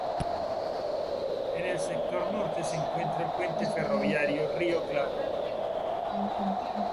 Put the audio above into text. En el sector norte se encuentra el Puente Ferroviario Río Claro.